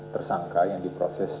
tersangka yang diproses